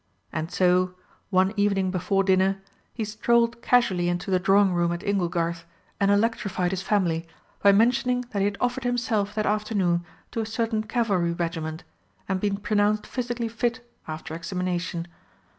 And so, one evening before dinner, he strolled casually into the drawing room at "Inglegarth" and electrified his family by mentioning that he had offered himself that afternoon to a certain Cavalry regiment, and been pronounced physically fit after examination.